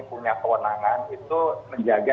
punya kewenangan itu menjaga